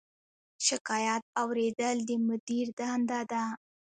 شکایت اوریدل د مدیر دنده ده